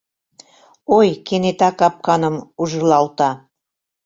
Ой! — кенета капканым ужылалта.